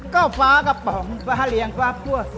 ก็ฟ้ากระป๋องฟ้าเลี้ยงฟ้าคั่ว